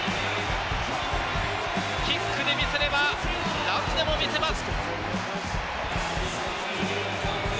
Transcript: キックで見せれば、ランでも見せます。